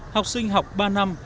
học sinh học ba năm